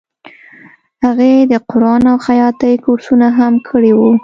هغې د قرآن او خیاطۍ کورسونه هم کړي وو